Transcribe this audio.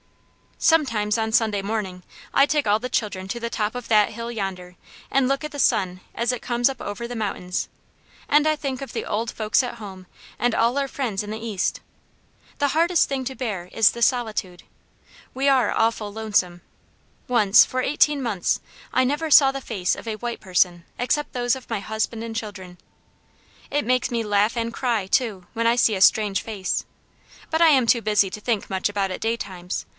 "Sometimes on Sunday morning I take all the children to the top of that hill yonder and look at the sun as it comes up over the mountains, and I think of the old folks at home and all our friends in the East. The hardest thing to bear is the solitude. We are awful lonesome. Once, for eighteen months, I never saw the face of a white person except those of my husband and children. It makes me laugh and cry too when I see a strange face. But I am too busy to think much about it daytimes.